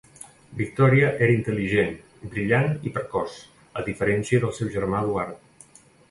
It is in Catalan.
Victòria era intel·ligent, brillant i precoç, a diferència del seu germà Eduard.